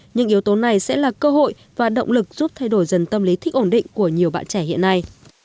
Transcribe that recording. những yếu tố này sẽ là cơ hội và động lực giúp thay đổi dần tâm lý thích ổn định của nhiều bạn trẻ hiện nay